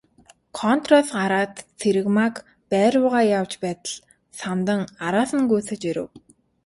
Контороос гараад Цэрэгмааг байр руугаа явж байтал Самдан араас нь гүйцэж ирэв.